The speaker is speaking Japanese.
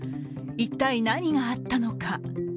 一体、何があったのか。